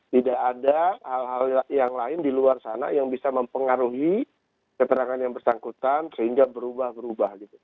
tidak ada hal hal yang lain di luar sana yang bisa mempengaruhi keterangan yang bersangkutan sehingga berubah berubah